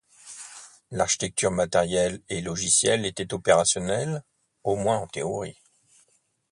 L’architecture matérielle et logicielle était opérationnelle, au moins en théorie.